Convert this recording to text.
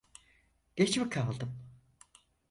Geç mi kaldım?